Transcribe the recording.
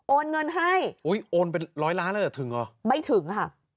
โอนเงินให้โอนเป็น๑๐๐ล้านหรือถึงหรอไม่ถึงค่ะ